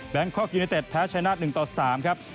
คอกยูเนเต็ดแพ้ชนะ๑ต่อ๓ครับ